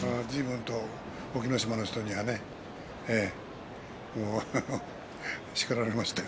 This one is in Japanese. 隠岐の島の人にはね叱られましたよ。